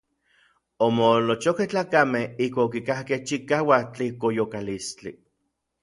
Omoolochojkej tlakamej ijkuak okikakkej chikauak tlijkoyokalistli.